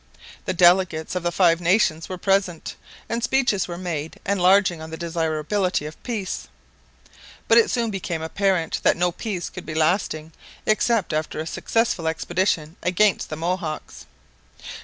The delegates of the Five Nations were present, and speeches were made enlarging on the desirability of peace. But it soon became apparent that no peace could be lasting except after a successful expedition against the Mohawks.